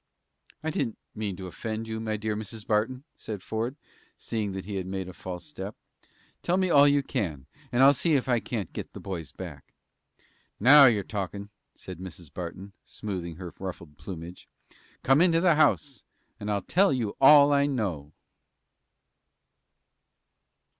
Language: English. "I didn't mean to offend you, my dear Mrs. Barton," said Ford, seeing that he had made a false step. "Tell me all you can, and I'll see if I can't get the boys back." "Now you're talkin'," said Mrs. Barton, smoothing her ruffled plumage. "Come into the house, and I'll tell you all I know."